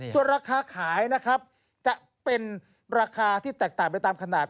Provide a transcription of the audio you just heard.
ส่วนราคาขายนะครับจะเป็นราคาที่แตกต่างไปตามขนาด